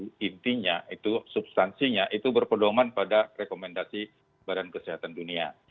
tapi intinya itu substansinya itu berpedoman pada rekomendasi badan kesehatan dunia